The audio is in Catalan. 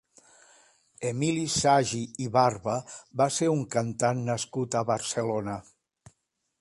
Emili Sagi i Barba va ser un cantant nascut a Barcelona.